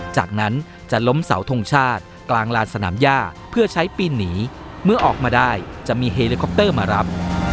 จากนั้นจะล้มเสาทงชาติกลางลานสนามย่าเพื่อใช้ปีนหนีเมื่อออกมาได้จะมีเฮลิคอปเตอร์มารับ